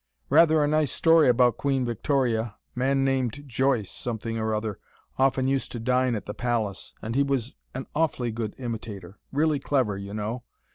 "Rather a nice story about Queen Victoria. Man named Joyce, something or other, often used to dine at the Palace. And he was an awfully good imitator really clever, you know.